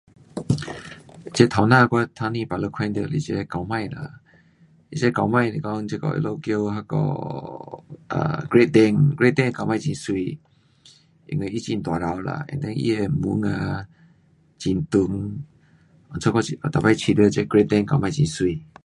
这畜生我刚才 baru 看见是这狗儿啦，这狗儿是说他们叫那个 [um]Great Dane。Great Dane 狗儿很美。因为它很大只啦 and then 它的毛啦很长。因此我每次觉得这 Great Dane 狗儿很美。